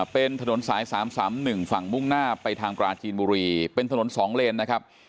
เป็นถนนสาย๓๓๑ฝั่งมุ่งหน้าไปทางปราจีนบุรีเป็นถนน๒เลนนะครับ